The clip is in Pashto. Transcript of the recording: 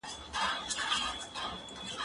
زه پرون موسيقي اورم وم